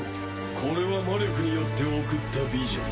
これは魔力によって送ったビジョン。